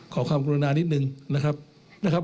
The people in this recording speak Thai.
ขอความกรุณานิดหนึ่งนะครับนะครับ